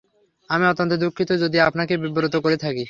আমি অত্যন্ত দুঃখিত যদি আপনাকে বিব্রত করে থাকি।